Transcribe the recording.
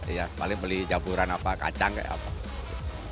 iya paling beli caburan apa kacang kayak apa